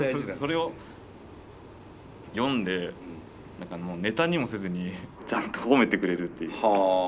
それを読んで何かネタにもせずにちゃんと褒めてくれるっていう。